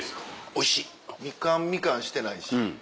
おいしいみかんみかんしてないし。